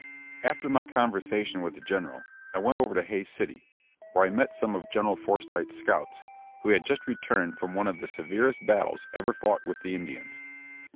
After my conversation with the General, I went over to Hays City, where I met some of General Forsyth's scouts, who had just returned from one of the severest battles ever fought with the Indians.